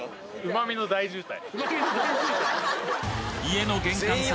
旨味の大渋滞？